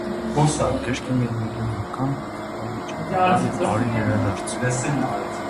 Կրկին և միլիոն անգամ բարի ճանապարհ և բարի վերադարձ: